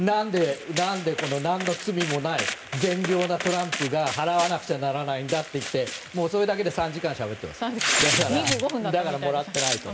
なんで、なんの罪もない善良なトランプが払わなくちゃならないんだといってそれだけで３時間しゃべっています。